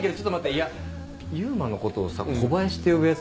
いや勇馬のことをさ「小林」って呼ぶヤツ